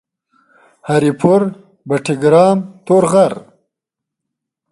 هري پور ، بټګرام ، تورغر